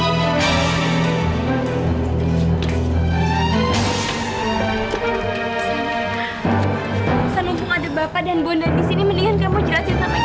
aksan mumpung ada bapak dan bunden di sini mendingan kamu jelasin sama aku